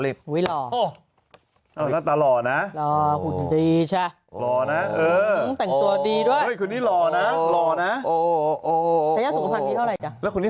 เลยหล่อน่าตาหล่อน่ะหล่อน่ะสุขภัณฑ์นี้เท่าไหร่จ้ะแล้วคุณนี้